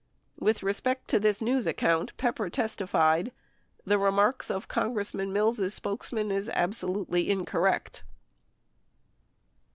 With respect to this news account, Pepper testified, "The remarks of Congressman Mills' spokesman ... is absolutely incor rect."